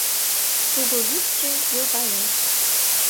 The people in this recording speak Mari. Кугу вӱдшӧ йогалеш